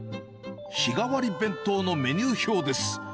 日替わり弁当のメニュー表です。